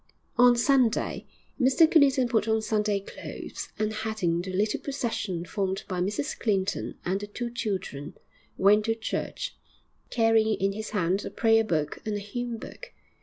III On Sunday, Mr Clinton put on Sunday clothes, and heading the little procession formed by Mrs Clinton and the two children, went to church, carrying in his hand a prayer book and a hymn book.